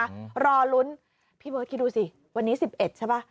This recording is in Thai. อืมรอลุ้นพี่เบิร์ดคิดดูสิวันนี้สิบเอ็ดใช่ป่ะ